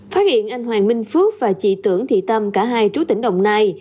phát hiện anh hoàng minh phước và chị tưởng thị tâm cả hai chú tỉnh đồng nai